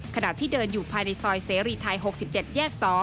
ขณะที่เดินอยู่ภายในซอยเสรีไทย๖๗แยก๒